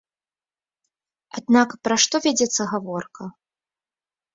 Аднак пра што вядзецца гаворка?